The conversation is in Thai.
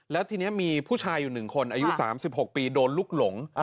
แล้วทีนี้มีผู้ชายอยู่๑คนอายุ๓๖ปีโดนลุกหลง